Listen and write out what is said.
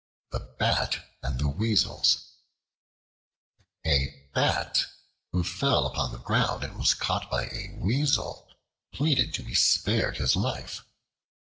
The Bat And The Weasels A BAT who fell upon the ground and was caught by a Weasel pleaded to be spared his life.